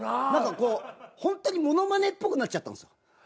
何かほんとにものまねっぽくなっちゃったんですよ。